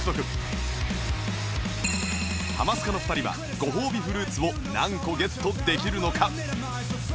ハマスカの２人はご褒美フルーツを何個ゲットできるのか？